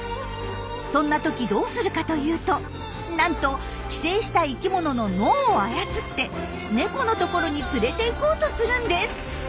そんな時どうするかというとなんと寄生した生きものの脳を操ってネコのところに連れていこうとするんです！